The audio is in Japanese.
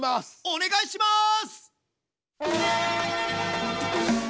お願いします！